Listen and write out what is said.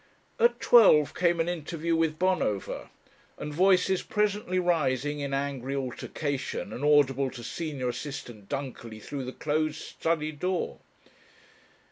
At twelve came an interview with Bonover, and voices presently rising in angry altercation and audible to Senior assistant Dunkerley through the closed study door.